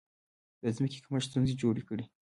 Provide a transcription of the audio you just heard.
د ځمکې کمښت ستونزې جوړې کړې.